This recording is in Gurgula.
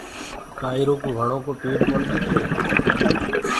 ڪدآ اِرو ڪوُ وڻو ڪو پيڏ ڪونآ ديِکي؟